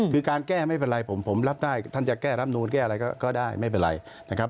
คือการแก้ไม่เป็นไรผมรับได้ท่านจะแก้รับนูนแก้อะไรก็ได้ไม่เป็นไรนะครับ